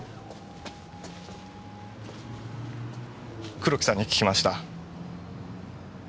黒木さんに聞きました。